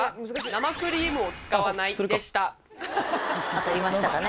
当たりましたかね？